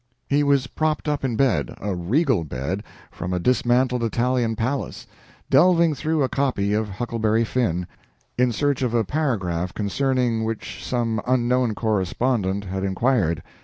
He was propped up in bed a regal bed, from a dismantled Italian palace delving through a copy of "Huckleberry Finn," in search of a paragraph concerning which some unknown correspondent had inquired.